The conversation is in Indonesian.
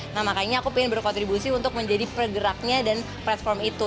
nah makanya aku ingin berkontribusi untuk menjadi pergeraknya dan platform itu